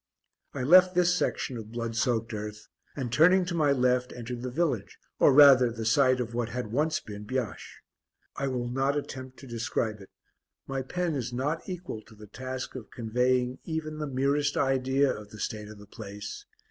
I left this section of blood soaked earth, and, turning to my left, entered the village, or rather the site of what had once been Biaches. I will not attempt to describe it; my pen is not equal to the task of conveying even the merest idea of the state of the place.